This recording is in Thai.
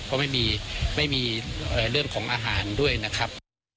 เพราะไม่มีเรื่องของอาหารด้วยนะครับ